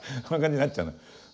あの感じになっちゃうの。